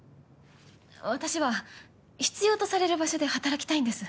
私は必要とされる場所で働きたいんです。